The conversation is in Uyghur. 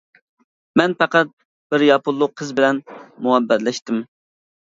-مەن پەقەت بىر ياپونلۇق قىز بىلەن مۇھەببەتلەشتىم!